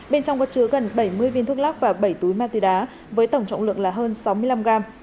bên trong có chứa gần bảy mươi viên thuốc lắc và bảy túi ma túy đá với tổng trọng lượng là hơn sáu mươi năm gram